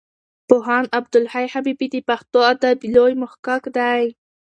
پوهاند عبدالحی حبیبي د پښتو ادب لوی محقق دی.